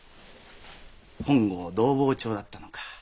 本郷同朋町だったのか。